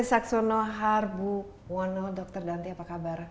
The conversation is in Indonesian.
bapak ibu apa kabar